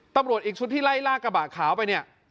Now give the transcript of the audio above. ตำรวจอีกชุดที่ไล่ล่ากระบะขาวไปเนี่ย